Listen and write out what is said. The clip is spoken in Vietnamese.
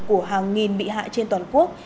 của hàng nghìn bị hại trên toàn quốc